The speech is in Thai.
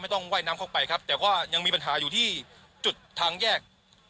ต้องว่ายน้ำเข้าไปครับแต่ว่ายังมีปัญหาอยู่ที่จุดทางแยก